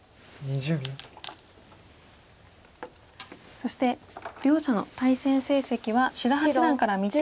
そして両者の対戦成績は志田八段から見て。